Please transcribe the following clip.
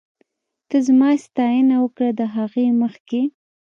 ته زما ستاينه وکړه ، د هغې مخکې